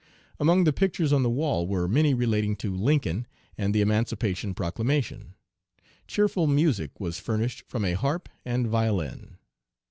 Among the pictures on the wall were many relating to Lincoln and the emancipation proclamation. Cheerful music was furnished from a harp and violin.